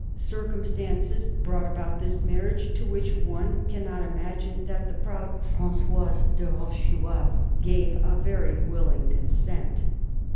Circumstances brought about this marriage, to which one cannot imagine that the proud Frangoise de Rochechouart gave a very willing consent.